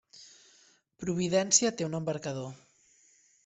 Providència té un embarcador.